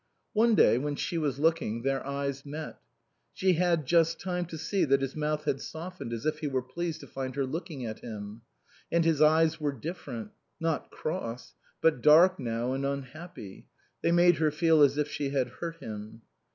One day, when she was looking, their eyes met. She had just time to see that his mouth had softened as if he were pleased to find her looking at him. And his eyes were different; not cross, but dark now and unhappy; they made her feel as if she had hurt him.